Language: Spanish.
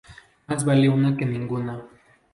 Más vale una que ninguna